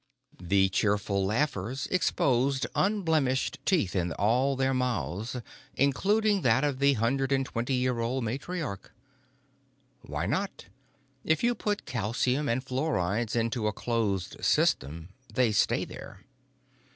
The cheerful laughers exposed unblemished teeth in all their mouths, including that of the hundred and twenty year old matriarch. Why not? If you put calcium and fluorides into a closed system, they stay there.